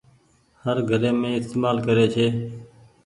هر گھري مين استهمال ڪري ڇي۔